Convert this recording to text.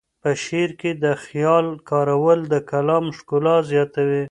په شعر کې د خیال کارول د کلام ښکلا زیاتوي.